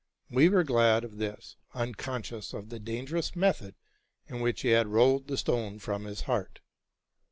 We were glad of this, unconscious of the dangerous method in which he had rolled the stone from his heart.